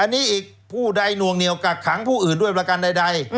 อันนี้อีกผู้ใดหน่วงเหนียวกักขังผู้อื่นด้วยประกันใด